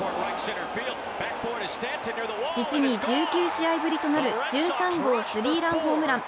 実に１９試合ぶりとなる１３号スリーランホームラン。